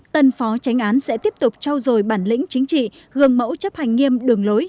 tân phó tránh án sẽ tiếp tục trao dồi bản lĩnh chính trị gương mẫu chấp hành nghiêm đường lối